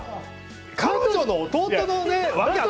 彼女の弟のね。